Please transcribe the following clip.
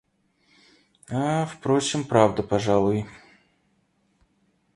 А впрочем, правда, пожалуй.